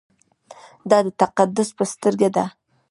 دا د تقدس په سترګه ده.